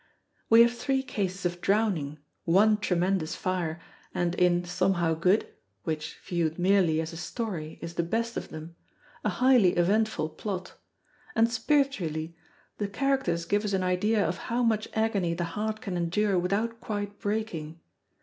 We have three cases of drowning, one tremendous fire; and in Somehow Good which, viewed merely as a story, is the best of them a highly eventful plot; and, spiritually, the characters give us an idea of how much agony the heart can endure without quite breaking.